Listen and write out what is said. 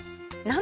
何？